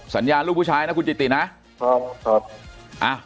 สัญญาณรูปผู้ชายนะคุณจิตินะ